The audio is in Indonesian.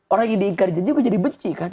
orang yang diingkari janji juga jadi benci kan